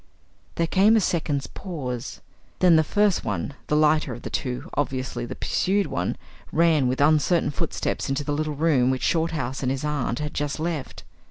There came a second's pause. Then the first one, the lighter of the two, obviously the pursued one, ran with uncertain footsteps into the little room which Shorthouse and his aunt had just left.